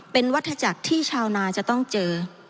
เป็นวัฒนาจักรที่ชาวนาจะต้องเจอ